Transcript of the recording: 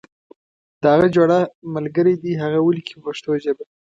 د هغه جوړه ملګری دې هغه ولیکي په پښتو ژبه.